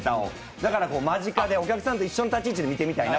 だから間近でお客さんと一緒の立ち位置で見たい。